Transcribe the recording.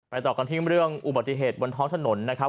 ต่อกันที่เรื่องอุบัติเหตุบนท้องถนนนะครับ